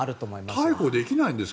逮捕できないんですか。